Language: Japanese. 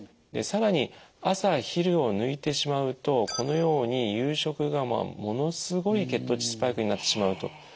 で更に朝昼を抜いてしまうとこのように夕食がものすごい血糖値スパイクになってしまうと。